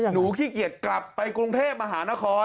ขี้เกียจกลับไปกรุงเทพมหานคร